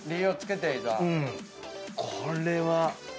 これは。